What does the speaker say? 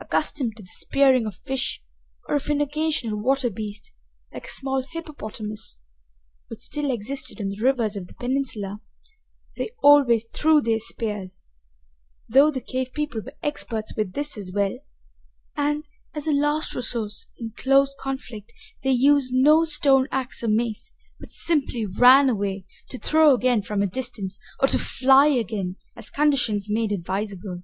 Accustomed to the spearing of fish or of an occasional water beast, like a small hippopotamus, which still existed in the rivers of the peninsula, they always threw their spears though the cave people were experts with this as well and, as a last resource in close conflict, they used no stone ax or mace, but simply ran away, to throw again from a distance, or to fly again, as conditions made advisable.